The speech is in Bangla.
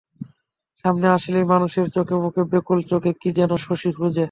সামনে আসিলেই মানুষের চোখেমুখে ব্যাকুল চোখে কী যেন শশী খোজে।